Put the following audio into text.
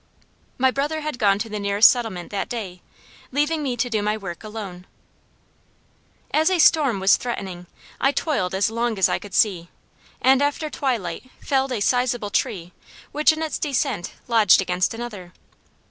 My brother had gone to the nearest settlement that day, leaving me to do my work alone. As a storm was threatening, I toiled as long as I could see, and after twilight felled a sizeable tree which in its descent lodged against another.